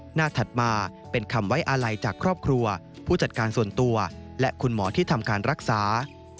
ถัดมาเป็นคำไว้อาลัยจากครอบครัวผู้จัดการส่วนตัวและคุณหมอที่ทำการรักษา